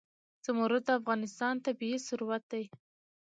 زمرد د افغانستان طبعي ثروت دی.